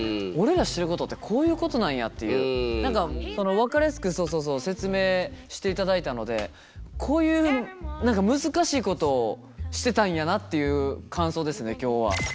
分かりやすくそうそうそう説明していただいたのでこういう何か難しいことをしてたんやなっていう感想ですね今日は。